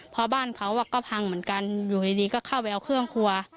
เพราะบ้านเขาก็พังเหมือนกันอยู่ดีก็เข้าไปเอาเครื่องครัว